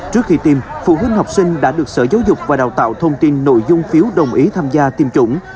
trước khi tiêm phụ huynh học sinh đã được sở giáo dục và đào tạo thông tin nội dung phiếu đồng ý tham gia tiêm chủng